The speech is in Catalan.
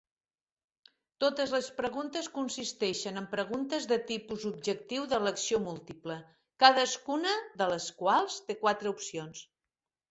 Totes les preguntes consisteixen en preguntes de tipus objectiu d'elecció múltiple, cadascuna de les quals té quatre opcions.